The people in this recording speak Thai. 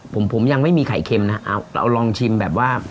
ผมผมยังไม่มีไข่เค็มนะเอาเราลองชิมแบบว่า